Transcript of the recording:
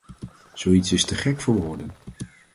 Zoiets is te gek voor woorden.